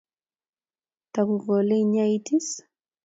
Tagukole iyanit is?